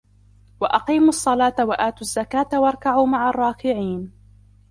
وأقيموا الصلاة وآتوا الزكاة واركعوا مع الراكعين